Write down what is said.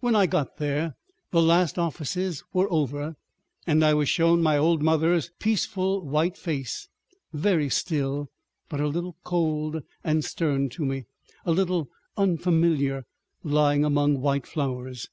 When I got there the last offices were over, and I was shown my old mother's peaceful white face, very still, but a little cold and stern to me, a little unfamiliar, lying among white flowers.